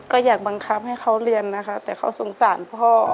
ก็อยากบังคับให้เขาเรียนนะคะแต่เขาสงสารพ่อ